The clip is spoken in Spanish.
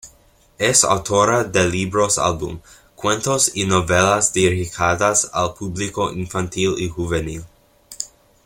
Es autora de libros álbum, cuentos y novelas dirigidas al público infantil y juvenil.